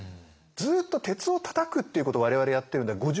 ずっと鉄をたたくっていうことを我々やってるんだよ。